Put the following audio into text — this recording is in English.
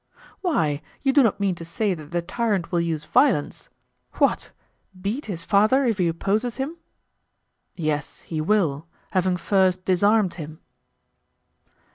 Why, you do not mean to say that the tyrant will use violence? What! beat his father if he opposes him? Yes, he will, having first disarmed him.